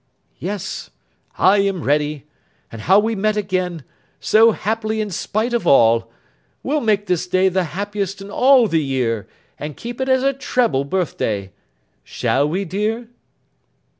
'Yes! I am ready—and how we met again, so happily in spite of all; we'll make this day the happiest in all the year, and keep it as a treble birth day. Shall we, dear?